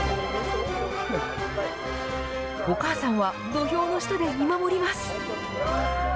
お母さんは土俵の下で見守ります。